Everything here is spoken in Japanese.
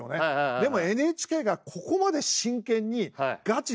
でもＮＨＫがここまで真剣にガチでやる。